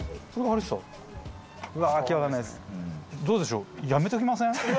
どうでしょう？